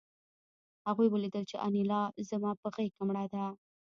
هغوی ولیدل چې انیلا زما په غېږ کې مړه ده